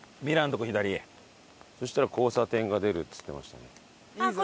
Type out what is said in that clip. そしたら交差点が出るって言ってましたね。